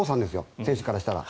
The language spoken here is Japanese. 選手からしたら。